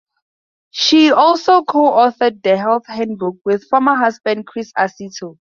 She also co-authored "The Health Handbook" with former husband Chris Aceto.